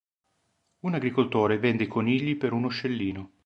Un agricoltore vende i conigli per uno scellino.